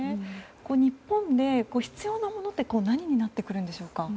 日本で必要なものって何になってくるのでしょうか。